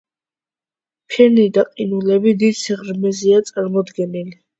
ფირნი და ყინულები დიდ სიღრმეზეა წარმოდგენილი.